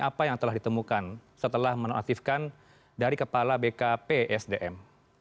apa yang telah ditemukan setelah menonaktifkan dari kepala bkp sdm